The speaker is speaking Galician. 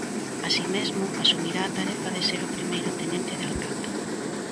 Así mesmo, asumirá a tarefa de ser o primeiro tenente de alcalde.